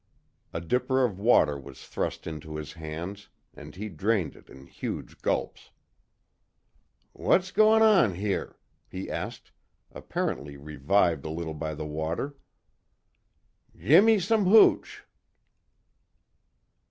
A dipper of water was thrust into his hands and he drained it in huge gulps, "What's goin' on here?" he asked, apparently revived a little by the water, "Gi'me some hooch!"